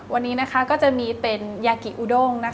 วันนี้นะคะก็จะมีเป็นยากิอูโดงนะคะ